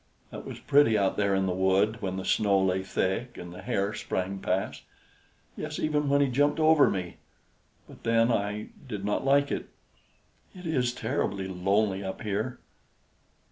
That was pretty out there in the wood, when the snow lay thick and the hare sprang past; yes, even when he jumped over me; but then I did not like it. It is terribly lonely up here!"